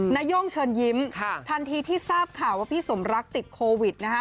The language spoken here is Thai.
นาย่งเชิญยิ้มทันทีที่ทราบข่าวว่าพี่สมรักติดโควิดนะคะ